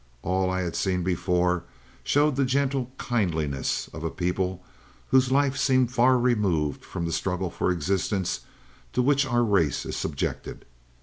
All I had seen before showed the gentle kindliness of a people whose life seemed far removed from the struggle for existence to which our race is subjected.